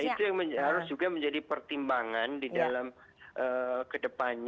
nah itu yang harus juga menjadi pertimbangan di dalam ke depan